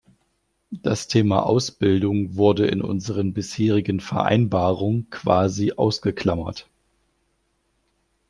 Das Thema Ausbildung wurde in unseren bisherigen Vereinbarung quasi ausgeklammert.